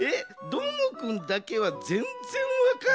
どーもくんだけはぜんぜんわからん。